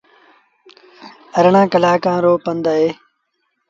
اَرڙآن ڪلآنڪآن رو پنڌ اهي۔